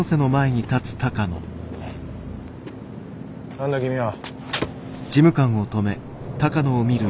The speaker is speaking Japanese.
何だ君は？